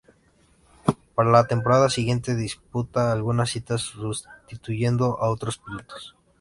Para la temporada siguiente disputa algunas citas sustituyendo a otros pilotos.